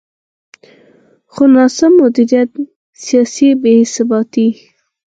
خو ناسم مدیریت، سیاسي بې ثباتي.